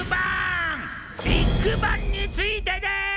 「ビッグバン」についてです！